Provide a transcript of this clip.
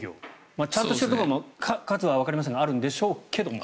まあ、ちゃんとしたところも数はわかりませんがあるんでしょうけども。